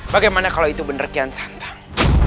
bagaimana kalau itu bener kian santang